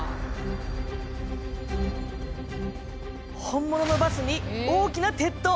本物のバスに大きな鉄塔。